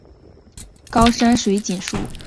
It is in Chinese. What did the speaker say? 高山水锦树为茜草科水锦树属下的一个种。